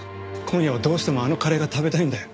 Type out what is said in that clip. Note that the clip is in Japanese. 今夜はどうしてもあのカレーが食べたいんだよ。